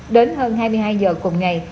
đến hơn hai mươi hai h cùng ngày